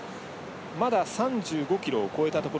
まだ３５ｋｍを超えたところ。